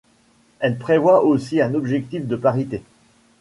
Elle prévoit aussi un objectif de parité.